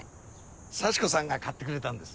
幸子さんが買ってくれたんです。